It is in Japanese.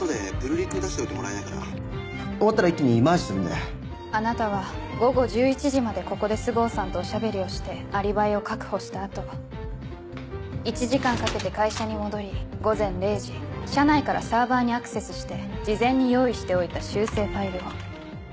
終わったら一気にマージするんであなたは午後１１時までここで須郷さんとおしゃべりをしてアリバイを確保した後１時間かけて会社に戻り午前０時社内からサーバーにアクセスして事前に用意しておいた修正ファイルを。